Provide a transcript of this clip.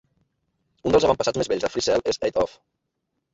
Un dels avantpassats més vells de FreeCell és Eight Off.